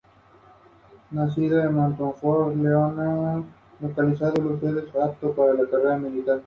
Entrenador: Andreu Plaza